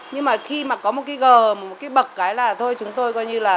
nhưng mà khi mà có một cái gờ một cái bậc ấy là thôi chúng tôi coi như là